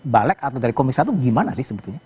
balik atau dari komisi satu gimana sih sebetulnya